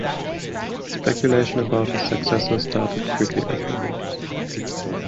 Speculation about his successor started quickly afterwards.